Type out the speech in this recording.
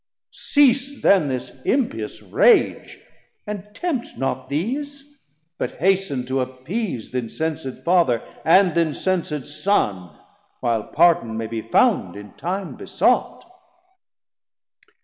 Cease then this impious rage, And tempt not these; but hast'n to appease Th' incensed Father, and th' incensed Son, While Pardon may be found in time besought.